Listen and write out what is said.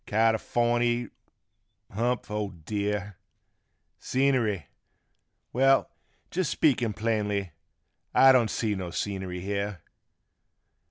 Californy ! Humph ! O dear ! Scenery! Well, jest speaking plainly, I don't see no scenery here.